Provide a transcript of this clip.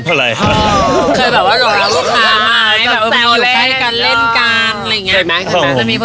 เคยบอกว่าหลังลูกค้าไหมแบบว่าอยู่ใส่กันเล่นกันอะไรอย่างนี้